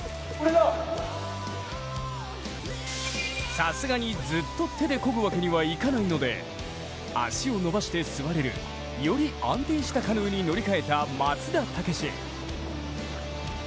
さすがにずっと手でこぐわけにはいかないので足を伸ばして座れるより安定したカヌーに乗り換えた松田丈志。